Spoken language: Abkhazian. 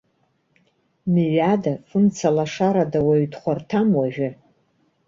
Мҩада, фымца лашарада уаҩ дхәарҭам уажәы.